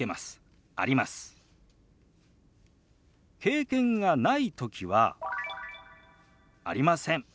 経験がない時は「ありません」。